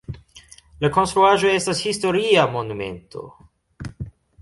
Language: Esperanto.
La konstruaĵo estas historia monumento.